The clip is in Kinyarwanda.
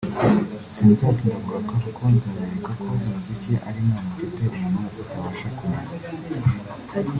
sinzatinda ku garuka kuko nzabereka ko umuziki ari impano mfite umuntu wese atabasha kunyambura